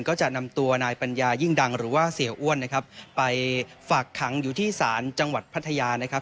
ก็จะนำตัวนายปัญญายิ่งดังหรือว่าเสียอ้วนนะครับไปฝากขังอยู่ที่ศาลจังหวัดพัทยานะครับ